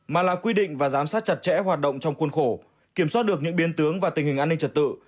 mà là quy định và giám sát chặt chẽ hoạt động trong khuôn khổ kiểm soát được những biến tướng và tình hình an ninh trật tự